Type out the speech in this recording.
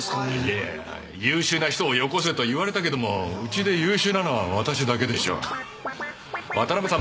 いや優秀な人をよこせと言われたけどもうちで優秀なのは私だけでしょ渡辺さん